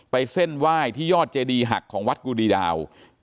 เส้นไหว้ที่ยอดเจดีหักของวัดกุดีดาว